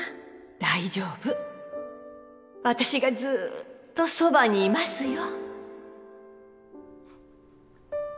大丈夫私がずーっとそばにいますよ